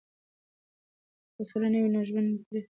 که سوله نه وي نو ژوند تریخ دی.